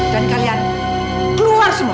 dan kalian keluar semua